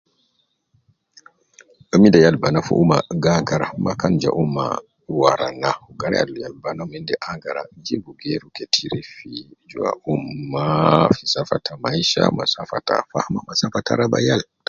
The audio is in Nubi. Youminde yal banaa fi ummah ga agara maa kan ja ummah wara naa, garaya yal banaa gi agara jibu geeru ketir fi jua ummah safa ta maisha ma safa ta fahma, ma safa ta raba yal.